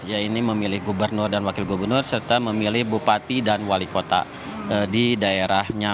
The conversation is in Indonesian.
yaitu memilih gubernur dan wakil gubernur serta memilih bupati dan wali kota di daerahnya